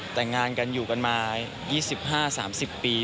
แต่งงานกันอยู่กันมา๒๕๓๐ปี